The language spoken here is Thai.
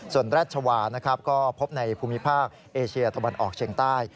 ส่วนราชวานะครับก็พบในภูมิภาคเอเชียตะวันออกเชียงใต้